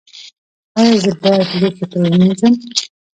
ایا زه باید لوښي پریمنځم؟